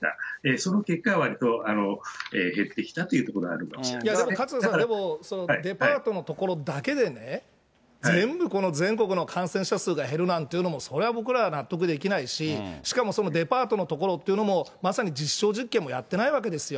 その結果、わりと減ってきたというところがあるかもしれないですだから勝田さん、でもデパートの所だけでね、全部この全国の感染者数が減るなんていうの、それは僕らは納得できないし、しかもそのデパートの所というのも、まさに実証実験もやってないわけですよ。